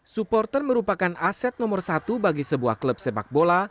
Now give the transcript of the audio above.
supporter merupakan aset nomor satu bagi sebuah klub sepak bola